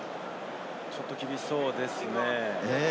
ちょっと厳しそうですね。